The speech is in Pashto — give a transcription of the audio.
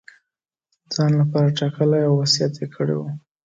ځان لپاره ټاکلی او وصیت یې کړی وو.